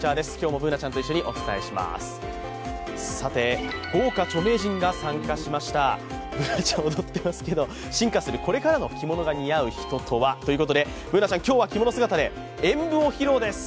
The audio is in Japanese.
Ｂｏｏｎａちゃん踊ってますけど進化するこれからの着物が似合う人とはということでＢｏｏｎａちゃん、今日は着物姿で演舞を披露です。